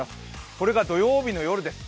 これが土曜日の夜です。